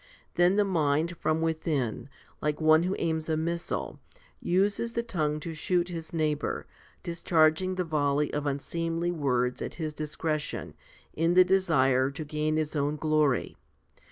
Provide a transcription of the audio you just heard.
Then the mind from within, like one who aims a missile, uses the tongue to shoot his neighbour, discharging the volley of unseemly words at his discretion, ' in the desire to gain his own glory.